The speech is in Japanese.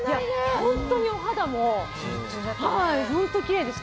本当にお肌もきれいでした。